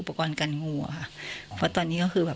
กันงูอ่ะค่ะเพราะตอนนี้ก็คือแบบ